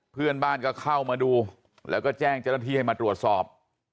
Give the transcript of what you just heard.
เพื่อนบ้านก็เข้ามาดูแล้วก็แจ้งเจ้าหน้าที่ให้มาตรวจสอบ